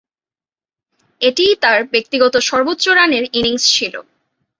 এটিই তার ব্যক্তিগত সর্বোচ্চ রানের ইনিংস ছিল।